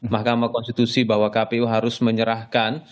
mahkamah konstitusi bahwa kpu harus menyerahkan